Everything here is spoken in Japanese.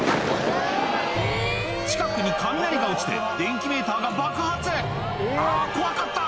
近くに雷が落ちて電気メーターが爆発「あぁ怖かった」